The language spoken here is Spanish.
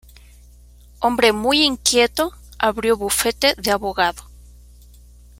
Hombre muy inquieto, abrió bufete de abogado.